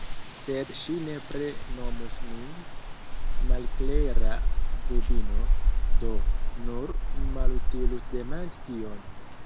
Sed ŝi nepre nomus min malklera bubino. Do, nur malutilus demandi tion!